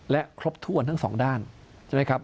และครบถ้วนทั้งสองด้านใช่ไหมครับ